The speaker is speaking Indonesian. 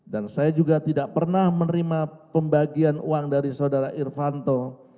dan saya juga tidak pernah menerima pembagian uang dari saudara irvanto